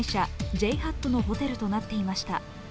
ＪＨＡＴのホテルとなっていました。